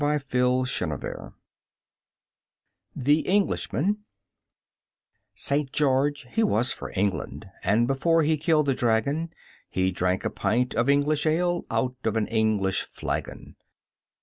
63 WINE, WATER, AND SONG The Englishman St. George he was for England, And before he killed the dragon He drank a pint of English ale Out of an English flagon.